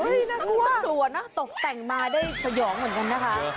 น่ากลัวนะตกแต่งมาได้สยองเหมือนกันนะคะ